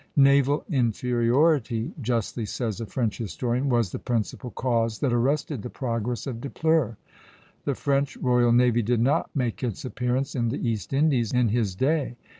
"Naval inferiority," justly says a French historian, "was the principal cause that arrested the progress of Dupleix. The French royal navy did not make its appearance in the East Indies" in his day.